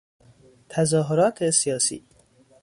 تظاهرات سیاسی